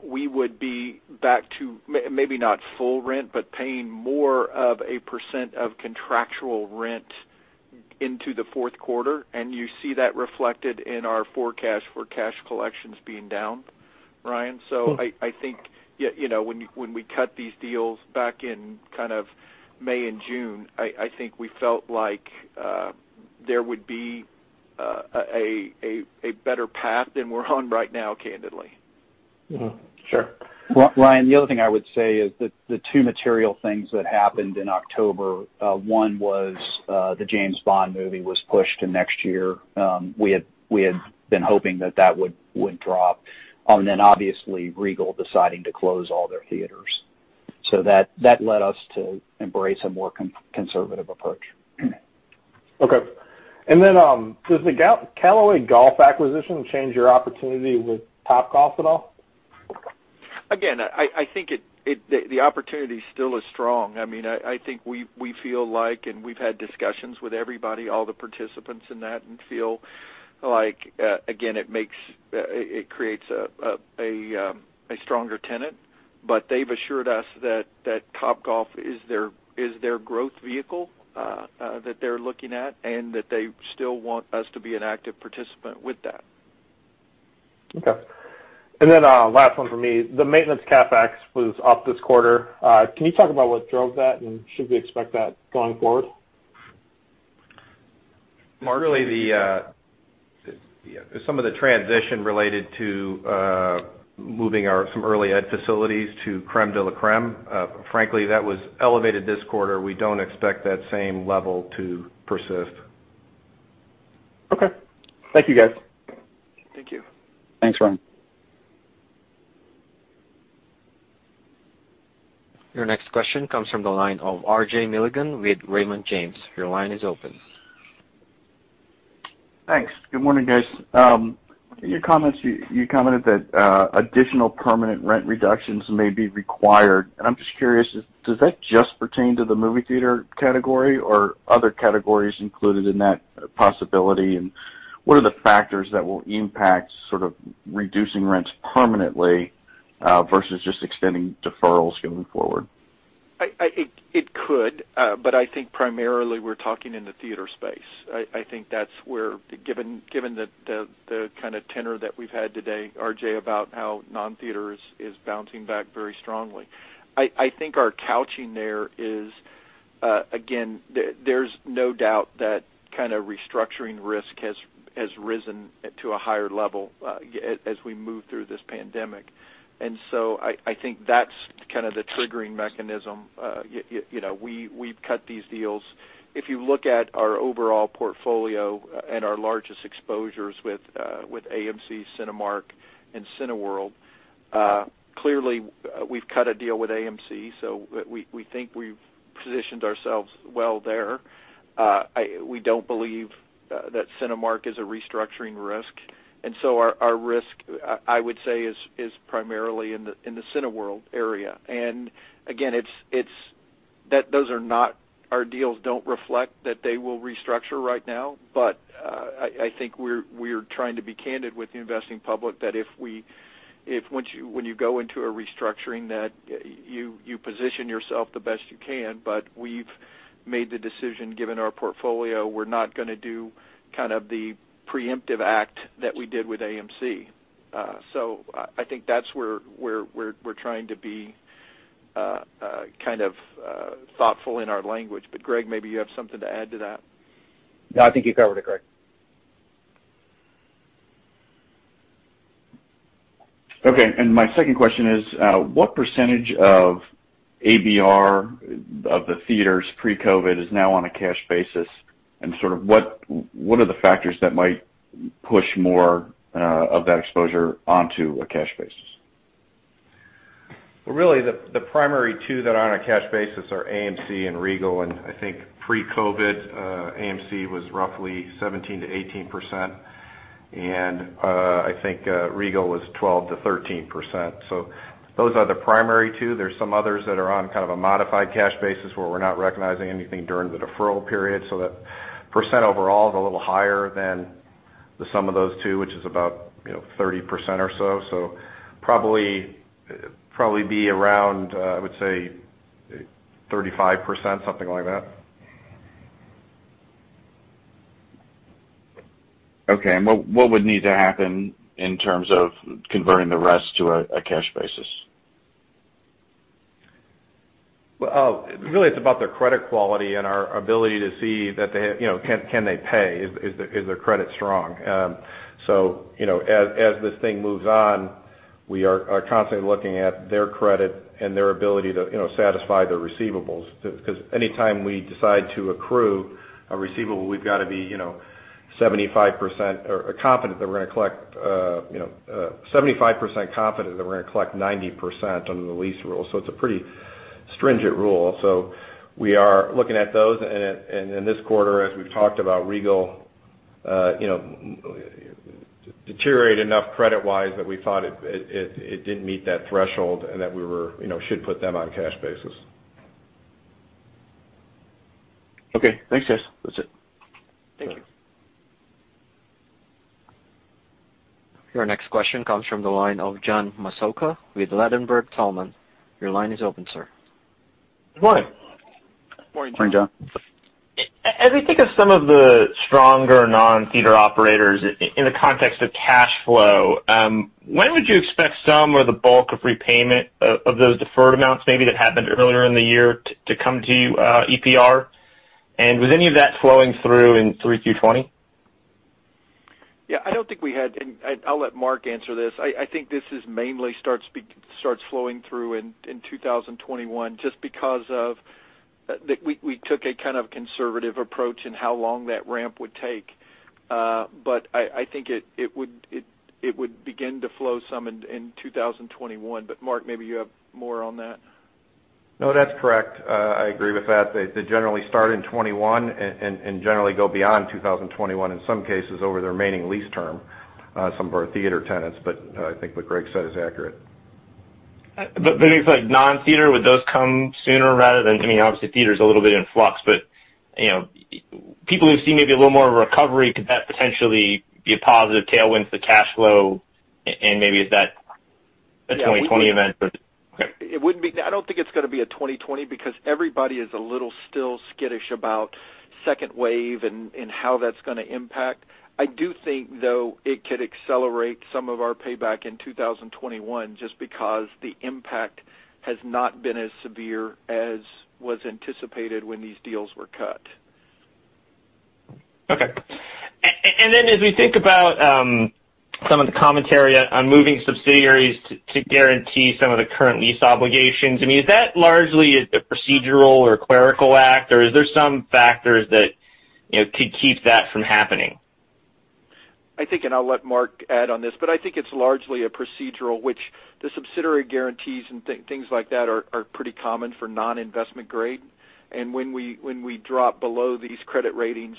we would be back to maybe not full rent, but paying more of a percent of contractual rent into the fourth quarter, and you see that reflected in our forecast for cash collections being down, Brian. I think when we cut these deals back in kind of May and June, I think we felt like there would be a better path than we're on right now, candidly. Mm-hmm. Sure. Brian, the other thing I would say is that the two material things that happened in October one was the James Bond movie was pushed to next year. We had been hoping that that would drop. Obviously, Regal is deciding to close all their theaters. That led us to embrace a more conservative approach. Okay. Does the Callaway Golf acquisition change your opportunity with Topgolf at all? Again, I think the opportunity still is strong. I think we feel like, and we've had discussions with everybody, all the participants in that, and feel like, again, it creates a stronger tenant. They've assured us that Topgolf is the growth vehicle that they're looking at and that they still want us to be an active participant with that. Okay. Last one from me. The maintenance CapEx was up this quarter. Can you talk about what drove that, and should we expect that going forward? Mark? Some of the transitions related to moving some early ed facilities to Crème de la Crème. That was elevated this quarter. We don't expect that same level to persist. Okay. Thank you, guys. Thank you. Thanks, Brian. Your next question comes from the line of RJ Milligan with Raymond James. Your line is open. Thanks. Good morning, guys. You commented that additional permanent rent reductions may be required. I'm just curious: does that just pertain to the movie theater category, or are other categories included in that possibility? What are the factors that will impact whether we can reduce rents permanently versus just extending deferrals going forward? It could. I think primarily we're talking in the theater space. I think that's where, given the kind of tenor that we've had today, RJ, about how non-theater is bouncing back very strongly. Again, there's no doubt that kind of restructuring risk has risen to a higher level as we move through this pandemic. I think that's kind of the triggering mechanism. We've cut these deals. If you look at our overall portfolio and our largest exposures with AMC, Cinemark, and Cineworld, clearly, we've cut a deal with AMC, so we think we've positioned ourselves well there. We don't believe that Cinemark is a restructuring risk, and so our risk, I would say, is primarily in the Cineworld area. Again, our deals don't reflect that they will restructure right now. I think we're trying to be candid with the investing public that when you go into a restructuring, you position yourself the best you can. We've made the decision, given our portfolio, we're not going to do kind of the preemptive act that we did with AMC. I think that's where we're trying to be kind of thoughtful in our language. Greg, maybe you have something to add to that. No, I think you covered it, Greg. Okay. My second question is, what percentage of ABR of the theaters pre-COVID is now on a cash basis? Sort of, what are the factors that might push more of that exposure onto a cash basis? Well, really, the primary two that are on a cash basis are AMC and Regal. I think pre-COVID, AMC was roughly 17%-18%, and I think Regal was 12%-13%. Those are the primary two. There's some others that are on kind of a modified cash basis, where we're not recognizing anything during the deferral period. That percent overall is a little higher than the sum of those two, which is about 30% or so. Probably be around, I would say 35%, something like that. Okay, what would need to happen in terms of converting the rest to a cash basis? Well, really, it's about their credit quality and our ability to see if they can pay. Is their credit strong? As this thing moves on, we are constantly looking at their credit and their ability to satisfy their receivables, because anytime we decide to accrue a receivable, we've got to be 75% confident that we're going to collect 90% under the lease rule. It's a pretty stringent rule. We are looking at those. In this quarter, as we've talked about Regal, it deteriorated enough credit-wise that we thought it didn't meet that threshold and that we should put them on a cash basis. Okay, thanks, guys. That's it. Thank you. Your next question comes from the line of John Massocca with Ladenburg Thalmann. Your line is open, sir. Good morning. Morning, John. As we think of some of the stronger non-theater operators in the context of cash flow, when would you expect some or the bulk of repayment of those deferred amounts, maybe that happened earlier in the year, to come to EPR? Was any of that flowing through in 3Q 2020? Yeah, I'll let Mark answer this. I think this mainly starts flowing through in 2021, just because we took a kind of conservative approach in how long that ramp would take. I think it would begin to flow some in 2021. Mark, maybe you have more on that. No, that's correct. I agree with that. They generally start in 2021 and generally go beyond 2021, in some cases over their remaining lease term, some of our theater tenants, but I think what Greg said is accurate. Things like non-theater, would those come sooner? I mean, obviously, theater's a little bit in flux, but people who've seen maybe a little more of a recovery, could that potentially be a positive tailwind for cash flow? Maybe it's a 2020 event? It wouldn't be. I don't think it's going to be a 2020 because everybody is still a little skittish about the second wave and how that's going to impact. I do think, though, it could accelerate some of our payback in 2021, just because the impact has not been as severe as was anticipated when these deals were cut. Okay. Then, as we think about some of the commentary on moving subsidiaries to guarantee some of the current lease obligations, I mean, is that largely a procedural or clerical act, or are there some factors that could keep that from happening? I think I'll let Mark add on to this. I think it's largely a procedural, which the subsidiary guarantees and things like that are pretty common for non-investment grade. When we drop below these credit ratings,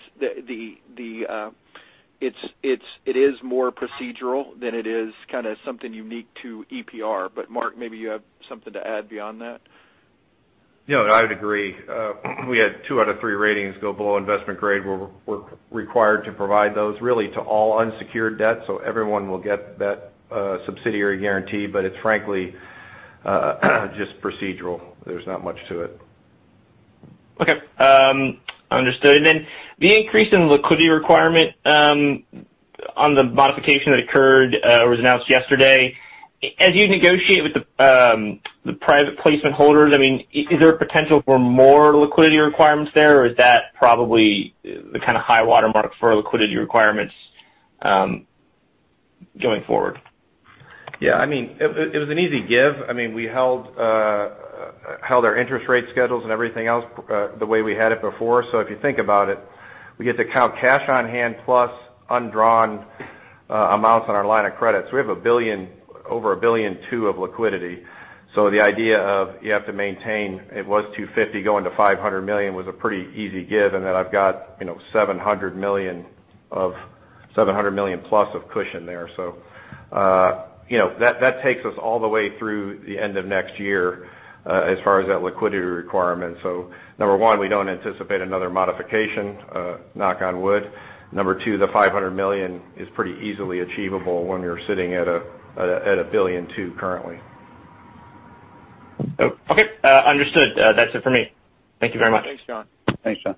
it is more procedural than it is kind of something unique to EPR. Mark, maybe you have something to add beyond that. Yeah, I would agree. We had two out of three ratings go below investment grade, where we're required to provide those really to all unsecured debt. Everyone will get that subsidiary guarantee, but it's frankly just procedural. There's not much to it. Okay. Understood. Then, the increase in liquidity requirement on the modification that occurred or was announced yesterday, as you negotiate with the private placement holders, is there a potential for more liquidity requirements there? Or is that probably the kind of high-water mark for liquidity requirements going forward? Yeah. It was an easy give. We held our interest rate schedules and everything else the way we had it before. If you think about it, we get to count cash on hand plus undrawn amounts on our line of credit. We have over $1.2 billion of liquidity. The idea of you having to maintain it, it was $250 million, going to $500 million was a pretty easy give. I've got $700 million plus of cushion there. That takes us all the way through the end of next year, as far as that liquidity requirement. Number one, we don't anticipate another modification, knock on wood. Number two, the $500 million is pretty easily achievable when we're sitting at $1.2 billion currently. Okay. Understood. That's it for me. Thank you very much. Thanks, John. Thanks, John.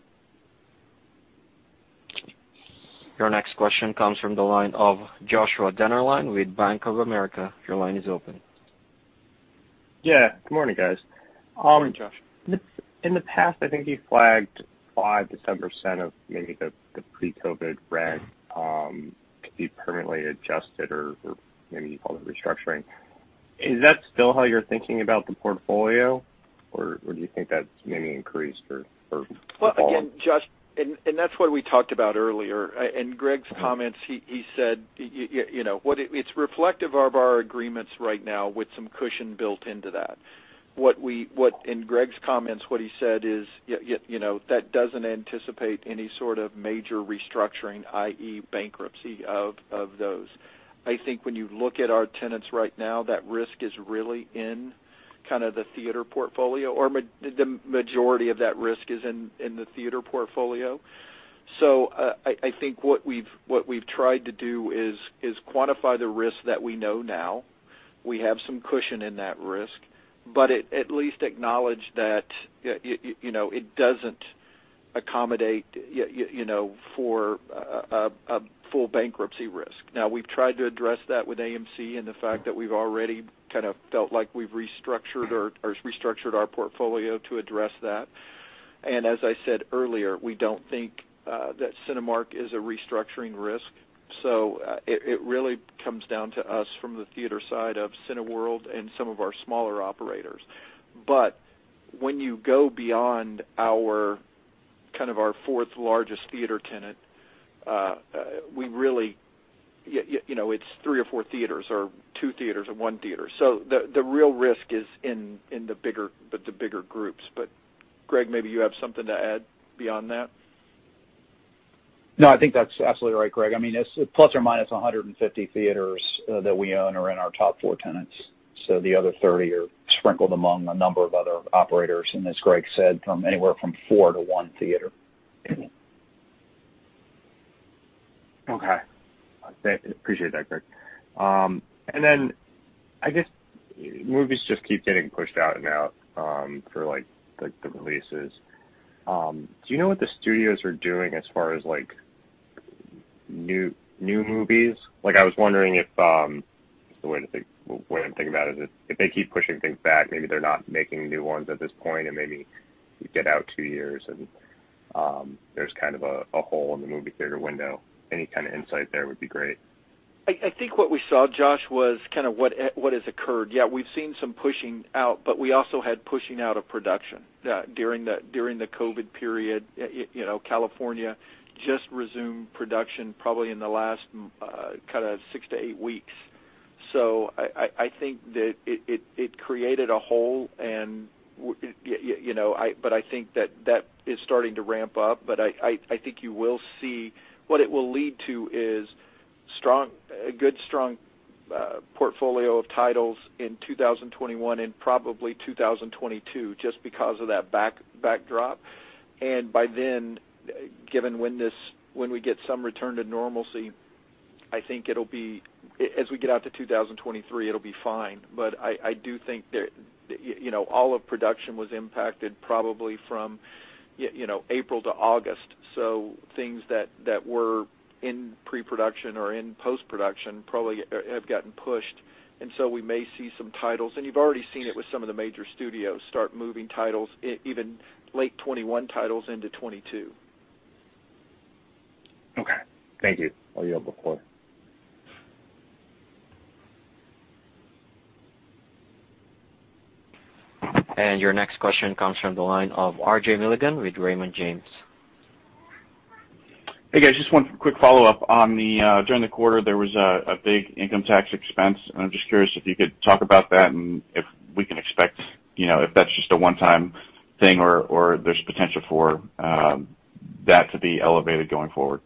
Your next question comes from the line of Joshua Dennerlein with Bank of America. Your line is open. Yeah. Good morning, guys. Morning, Josh. In the past, I think you flagged 5%-10% of maybe the pre-COVID rent, which could be permanently adjusted, or maybe you call it restructuring. Is that still how you're thinking about the portfolio? Or do you think that's maybe increased or evolved? Well, Josh, that's what we talked about earlier. In Greg's comments, he said it's reflective of our agreements right now, with some cushion built into that. In Greg's comments, what he said is that it doesn't anticipate any sort of major restructuring, i.e., bankruptcy of those. I think when you look at our tenants right now, that risk is really in kind of the theater portfolio, or the majority of that risk is in the theater portfolio. I think what we've tried to do is quantify the risk that we know now. We have some cushion in that risk, at least acknowledge that it doesn't accommodate for a full bankruptcy risk. Now, we've tried to address that with AMC, and the fact that we've already kind of felt like we've restructured our portfolio to address that. As I said earlier, we don't think that Cinemark is a restructuring risk. It really comes down to us from the theater side of Cineworld and some of our smaller operators. When you go beyond our fourth-largest theater tenant, it's three or four theaters, or two theaters, or one theater. The real risk is in the bigger groups. Greg, maybe you have something to add beyond that? I think that's absolutely right, Greg. It's ±150 theaters that we own that are in our top four tenants. The other 30 are sprinkled among a number of other operators. As Greg said, from anywhere from four to one theater. Okay. Appreciate that, Greg. I guess movies just keep getting pushed out and out for the releases. Do you know what the studios are doing as far as new movies? I was wondering if the way I'm thinking about it is that if they keep pushing things back, maybe they're not making new ones at this point, and maybe we get out two years and there's kind of a hole in the movie theater window. Any kind of insight would be great. I think what we saw, Josh, was kind of what has occurred. Yeah, we've seen some pushing out, but we also had pushing out of production during the COVID period. California just resumed production probably in the last kind of six to eight weeks. I think that it created a hole, and I think that it is starting to ramp up. I think you will see what it will lead to is a good, strong portfolio of titles in 2021 and probably 2022 just because of that backdrop. By then, given when we get some return to normalcy, I think as we get out to 2023, it'll be fine. I do think that all of the production was impacted, probably from April to August. Things that were in pre-production or in post-production probably have gotten pushed, and so we may see some titles, and you've already seen it with some of the major studios start moving titles, even late 2021 titles into 2022. Okay. Thank you. Oh, you're welcome. Your next question comes from the line of RJ Milligan with Raymond James. Hey, guys. Just one quick follow-up. During the quarter, there was a big income tax expense. I'm just curious if you could talk about that and if we can expect that to be just a one-time thing or there's potential for that to be elevated going forward.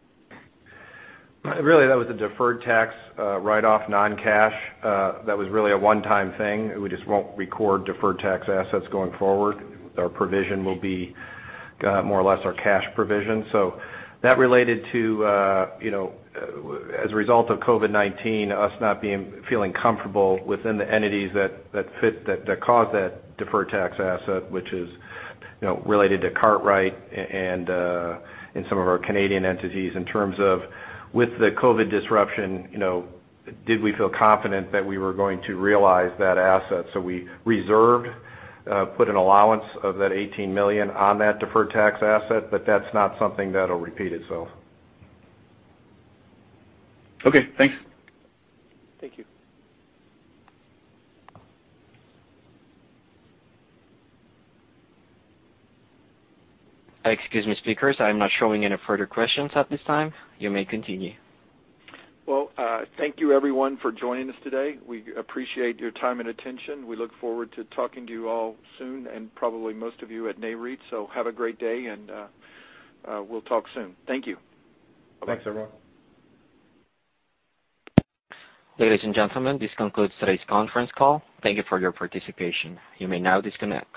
Really, that was a deferred tax write-off, non-cash. That was really a one-time thing. We just won't record deferred tax assets going forward. Our provision will be more or less our cash provision. That relates to, as a result of COVID-19, us not feeling comfortable within the entities that caused that deferred tax asset, which is related to Kartrite and some of our Canadian entities. In terms of the COVID disruption, did we feel confident that we were going to realize that asset? We reserved, put an allowance of that $18 million on that deferred tax asset, but that's not something that'll repeat itself. Okay. Thanks. Thank you. Excuse me, speakers. I am not showing any further questions at this time. You may continue. Well, thank you, everyone, for joining us today. We appreciate your time and attention. We look forward to talking to you all soon and probably most of you at Nareit. Have a great day, and we'll talk soon. Thank you. Bye-bye. Thanks, everyone. Ladies and gentlemen, this concludes today's conference call. Thank you for your participation. You may now disconnect.